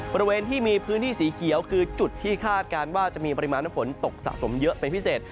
บริเวณที่มีพื้นที่สีเขียวคือจุดที่คาดการณ์ว่าจะมีปริมาณน้ำฝนตกสะสมเยอะเป็นพิเศษ